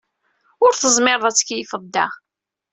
Ur tezmireḍ ad tkeyyfeḍ da.